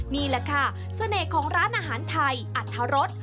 นี่แหละค่ะเสน่ห์ของร้านอาหารไทยอัธรส